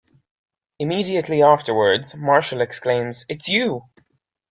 Immediately afterwards Marshall exclaims It's you!